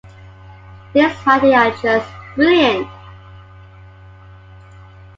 These writings are just brilliant.